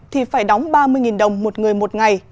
thì phải đóng ba mươi đồng một người một ngày